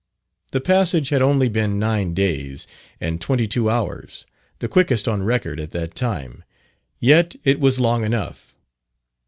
The passage had only been nine days and twenty two hours, the quickest on record at that time, yet it was long enough.